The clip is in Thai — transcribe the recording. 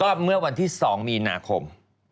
เมื่อวันที่๒มีนาคม